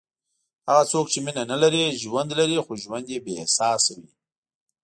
هغه څوک چې مینه نه لري، ژوند لري خو ژوند یې بېاحساسه وي.